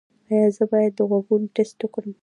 ایا زه باید د غوږونو ټسټ وکړم؟